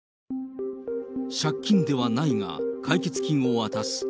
借金ではないが解決金を渡す。